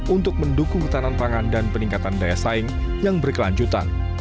untuk mendukung ketahanan pangan dan peningkatan daya saing yang berkelanjutan